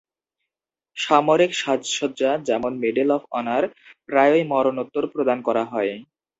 সামরিক সাজসজ্জা, যেমন মেডেল অফ অনার, প্রায়ই মরণোত্তর প্রদান করা হয়।